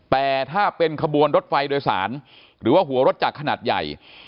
แต่ถ้าเป็นขบวนรถไฟโดยสารหรือว่าหัวรถจักรขนาดใหญ่